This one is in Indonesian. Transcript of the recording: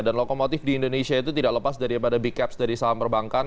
dan lokomotif di indonesia itu tidak lepas daripada big caps dari saham perbankan